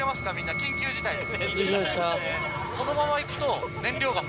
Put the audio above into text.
緊急事態です。